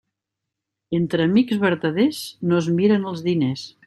Entre amics vertaders no es miren els diners.